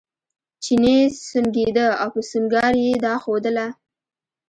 چیني سونګېده او په سونګاري یې دا ښودله.